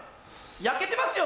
焼けてますよ